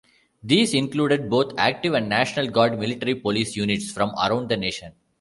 These included both active and National Guard Military Police units from around the nation.